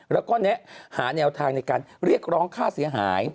แล้วก็แนะหาแนวทางในการเรียกร้องค่าเสียหาย